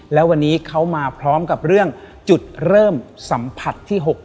แล้ววันนี้เขามาพร้อมกับเรื่องจุดเริ่มสัมผัสที่๖